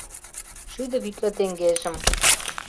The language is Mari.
Шӱдӧ витле теҥгежым.